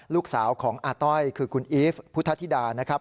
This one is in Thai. ลูกสาวของอาต้อยคือคุณอีฟพุทธธิดานะครับ